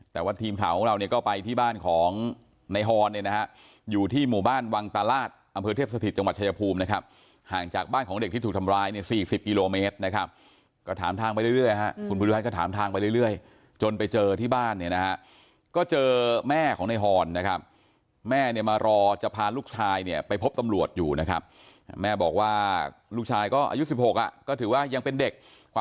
แต่ว่าทีมข่าวของเราก็ไปที่บ้านของนายฮรอยู่ที่หมู่บ้านวังตลาดอำเภอเทพสถิตจังหวัดชายภูมินะครับห่างจากบ้านของเด็กที่ถูกทำร้าย๔๐กิโลเมตรนะครับก็ถามทางไปเรื่อยคุณผู้ชายก็ถามทางไปเรื่อยจนไปเจอที่บ้านเนี่ยนะฮะก็เจอแม่ของนายฮรนะครับแม่เนี่ยมารอจะพาลูกชายเนี่ยไปพบตำรวจอยู่นะครับแม่บอกว่